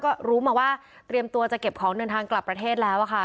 ก็รู้มาว่าเตรียมตัวจะเก็บของเดินทางกลับประเทศแล้วค่ะ